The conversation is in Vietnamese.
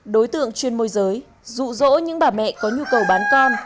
đối tượng chuyên môi giới dụ dỗ những bà mẹ có nhu cầu bán con